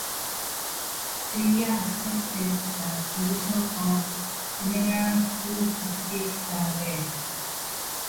Jia Ya accepted the position of General Who Pacifies the West.